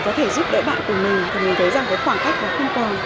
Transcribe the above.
có thể giúp đỡ bạn của mình thì mình thấy rằng cái khoảng cách đó không còn